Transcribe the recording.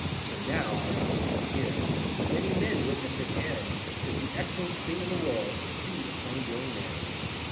For now I have made it appear, And many men witness it can, 'Tis the excellen'st thing in the world To be a plain dealing man.